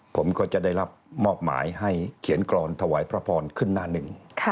ผมก็จะได้รับมอบหมายให้เขียนกรอนถวายพระพรขึ้นหน้าหนึ่ง